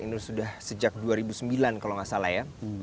ini sudah sejak dua ribu sembilan kalau nggak salah ya